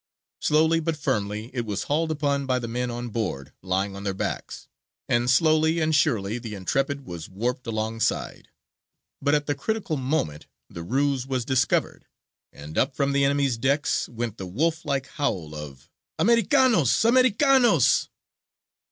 Slowly, but firmly, it was hauled upon by the men on board, lying on their backs, and slowly and surely the Intrepid was warped alongside. But at the critical moment the ruse was discovered, and up from the enemies' decks went the wolf like howl of "Americanos! Americanos!"